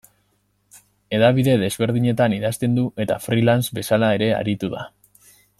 Hedabide desberdinetan idazten du eta freelance bezala ere aritu da.